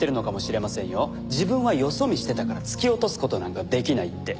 自分はよそ見してたから突き落とす事なんか出来ないって。